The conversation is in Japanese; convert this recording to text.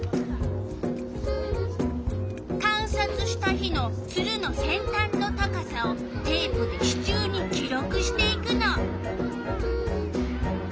観察した日のツルの先端の高さをテープで支柱に記録していくの。